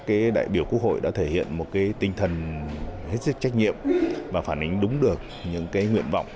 các đại biểu quốc hội đã thể hiện một cái tinh thần hết sức trách nhiệm và phản ánh đúng được những cái nguyện vọng